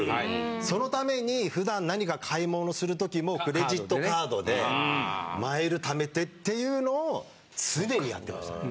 そのために普段なにか買い物する時もクレジットカードでマイルためてっていうのを常にやってますね。